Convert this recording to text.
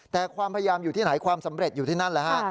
แต่ความพยายามอยู่ที่ไหนความสำเร็จอยู่ที่นั่นแหละฮะ